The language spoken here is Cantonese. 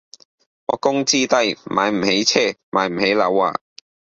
我工資低，買唔起車買唔起樓啊